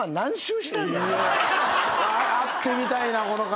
会ってみたいなこの方。